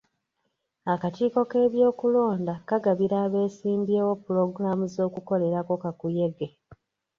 Akakiiko k'ebyokulonda kagabira abeesimbyewo pulogulaamu z'okukolerako kakuyege.